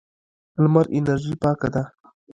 لمر انرژي پاکه ده.